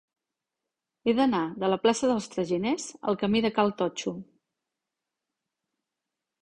He d'anar de la plaça dels Traginers al camí de Cal Totxo.